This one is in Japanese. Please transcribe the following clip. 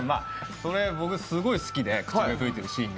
それ、僕すごく好きで、口笛吹いているシーンが。